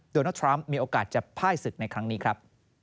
โดนัลดทรัมป์มีโอกาสจะพ่ายศึกในครั้งนี้ครับ